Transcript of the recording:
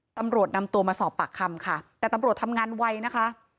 ตำรวจนำตัวมาสอบปากคำค่ะแต่ตำรวจทำงานไวนะคะ